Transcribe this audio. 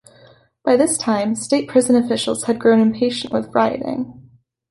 By this time, state prison officials had grown impatient with rioting.